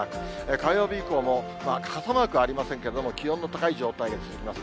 火曜日以降も、傘マークはありませんけども、気温の高い状態が続きます。